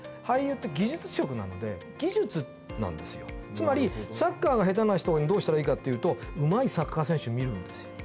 つまりサッカーが下手な人にどうしたらいいかっていうとうまいサッカー選手を見るんですよ